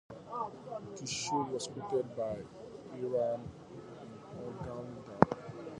The show was created by Ira Ungerleider.